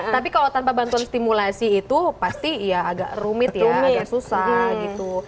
tapi kalau tanpa bantuan stimulasi itu pasti ya agak rumit ya agak susah gitu